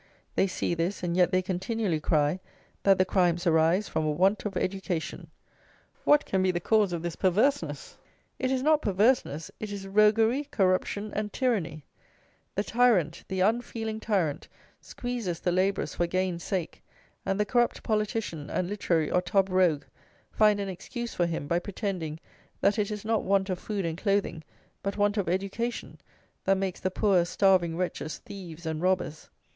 They see this; and yet they continually cry that the crimes arise from a want of "education!" What can be the cause of this perverseness? It is not perverseness: it is roguery, corruption, and tyranny. The tyrant, the unfeeling tyrant, squeezes the labourers for gain's sake; and the corrupt politician and literary or tub rogue find an excuse for him by pretending that it is not want of food and clothing, but want of education, that makes the poor, starving wretches thieves and robbers.